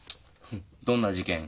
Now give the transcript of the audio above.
どんな事件？